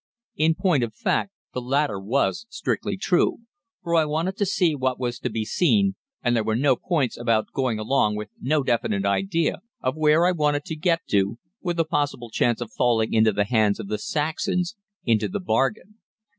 In point of fact, the latter was strictly true, for I wanted to see what was to be seen, and there were no points about going along with no definite idea of where I wanted to get to, with a possible chance of falling into the hands of the Saxons into the bargain.